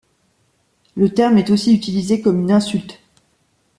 Le terme est aussi utilisé comme une insulte.